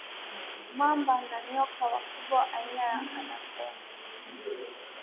mamba na nyoka wakubwa aina ya anakonda